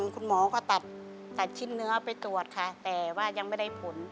คุณหมอก็ตัดชิ้นเนื้อไปตรวจค่ะแต่ว่ายังไม่ได้ผล